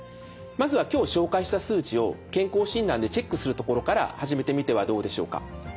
まずは今日紹介した数値を健康診断でチェックするところから始めてみてはどうでしょうか。